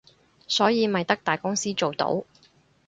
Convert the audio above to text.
所以咪得大公司做到